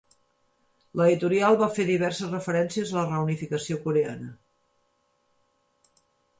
L'editorial va fer diverses referències a la reunificació coreana.